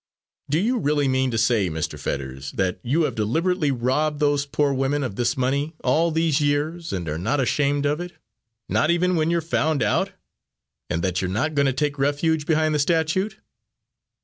"Do you really mean to say, Mr. Fetters, that you have deliberately robbed those poor women of this money all these years, and are not ashamed of it, not even when you're found out, and that you are going to take refuge behind the statute?"